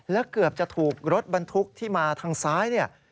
และเกือบจะถูกรถบรรทุกที่มาทางซ้ายเนี่ย